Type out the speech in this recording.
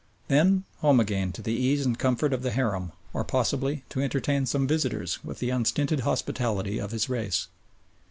Then home again to the ease and comfort of the harem, or possibly to entertain some visitors with the unstinted hospitality of his race.